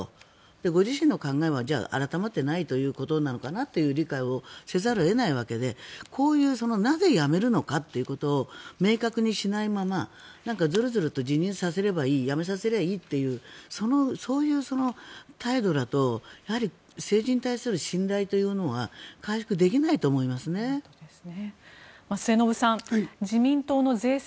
ご自身の考えは改まっていないということなのかなという理解をせざるを得ないわけでこういうなぜ辞めるのかということを明確にしないままズルズルと辞任させればいい辞めさせればいいというそういう態度だと政治に対する信頼というものが回復できないと思いますね。